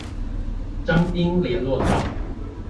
彰濱聯絡道